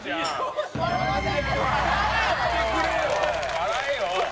笑えよおい！